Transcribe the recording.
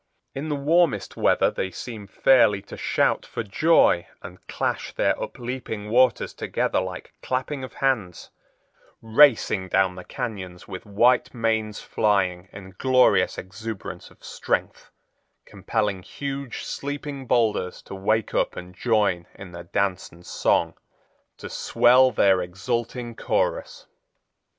In the warmest weather they seem fairly to shout for joy and clash their upleaping waters together like clapping of hands; racing down the cañons with white manes flying in glorious exuberance of strength, compelling huge, sleeping boulders to wake up and join in their dance and song, to swell their exulting chorus.